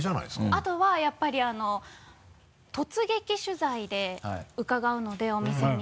あとはやっぱり突撃取材で伺うのでお店に。